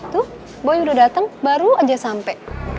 tuh boy udah dateng baru aja sampe